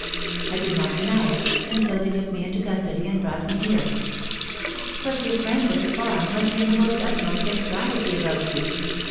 I did not deny it, and so they took me into custody and brought me here." "But your friends at the farm must be in the utmost anxiety about you!"